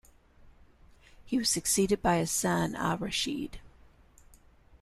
He was succeeded by his son Al-Rashid.